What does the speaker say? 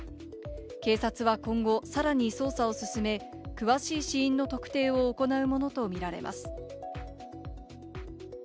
警察は今後さらに捜査を進め、詳しい死因の特定を行うものとみられます。